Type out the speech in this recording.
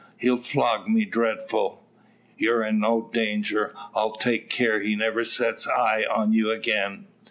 He flog me dreadful." "You're in no danger. I'll take care he never sets eye on you again.